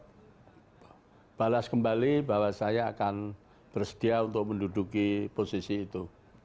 saya balas kembali bahwa saya akan bersedia untuk menduduki posisi itu